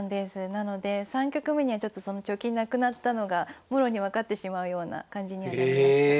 なので３局目にはちょっとその貯金無くなったのがもろに分かってしまうような感じにはなりました。